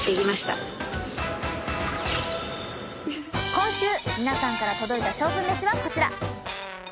今週皆さんから届いた勝負めしはこちら。